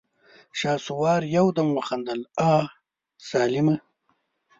شهسوار يودم وخندل: اه ظالمه!